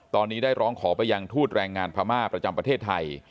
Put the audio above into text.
ตอนนี้ได้ร้องขอไปยังทูตแรงงานพม่าประจำประเทศไทย